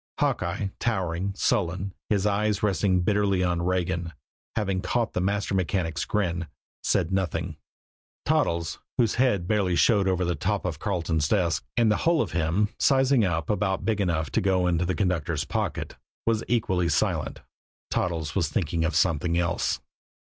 Hawkeye, towering, sullen, his eyes resting bitterly on Regan, having caught the master mechanic's grin, said nothing; Toddles, whose head barely showed over the top of Carleton's desk, and the whole of him sizing up about big enough to go into the conductor's pocket, was equally silent Toddles was thinking of something else.